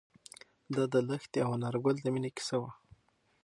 دا د لښتې او انارګل د مینې کیسه وه.